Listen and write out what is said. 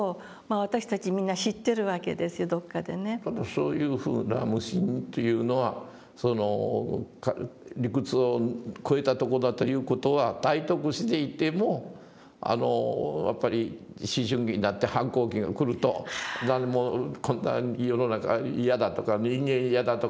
そういうふうな無心というのは理屈を超えたとこだという事は体得していてもやっぱり思春期になって反抗期が来ると「こんな世の中は嫌だ」とか「人間嫌だ」とか。